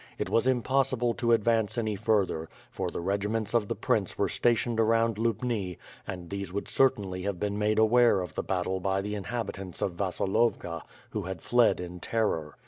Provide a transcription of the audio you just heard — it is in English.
It was impossible to advance any further, for the regiments of the prince were stationed around Lubni and these would cer tainly been made aware of the battle by the inhabitants of Vasilovka who had fled in terror.